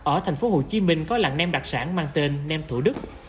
ở thành phố hồ chí minh có lặng nêm đặc sản mang tên nêm thủ đức